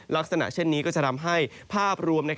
ลักษณะเช่นนี้ก็จะทำให้ภาพรวม